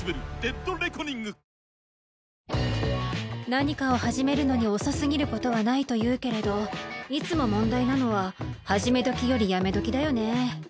何かを始めるのに遅すぎることはないというけれどいつも問題なのは始めどきよりやめどきだよね。